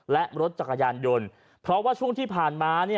และรถจักรยานยนต์เพราะว่าช่วงที่ผ่านมา